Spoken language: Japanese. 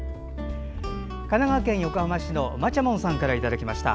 神奈川県横浜市のまちゃもんさんからいただきました。